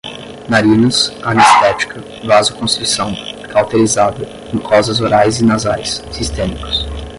narinas, anestética, vasoconstrição, cauterizada, mucosas orais e nasais, sistêmicos